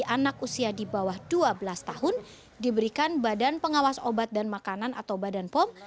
anak usia di bawah dua belas tahun diberikan badan pengawas obat dan makanan atau badan pom